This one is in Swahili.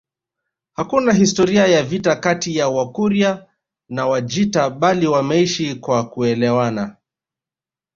Hakuna historia ya vita kati ya Wakurya na Wajita bali wameishi kwa kuelewana